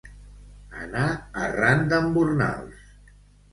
Anar arran d'embornals.